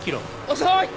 遅い！